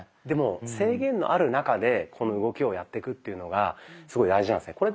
でも制限のある中でこの動きをやってくっていうのがすごい大事なんですね。